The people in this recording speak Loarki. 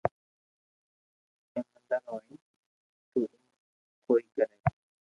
ايموندار ھوئي تو ايم ڪوئي ڪري